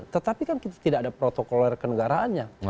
tetapi kan kita tidak ada protokoler kenegaraannya